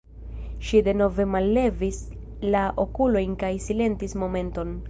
Ŝi denove mallevis la okulojn kaj silentis momenton.